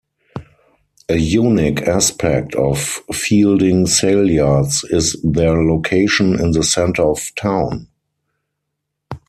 A unique aspect of Feilding Saleyards is their location in the centre of town.